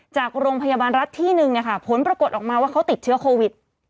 จากโรงพยาบาลรัฐที่หนึ่งผลปรากฏออกมาว่าเขาติดเชื้อโควิด